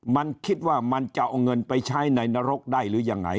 มันคิดว่ามันจะเอาเงินไปใช้ในนรกได้หรือยังไง